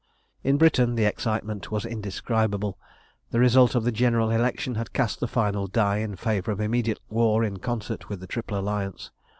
In Britain the excitement was indescribable. The result of the general election had cast the final die in favour of immediate war in concert with the Triple Alliance.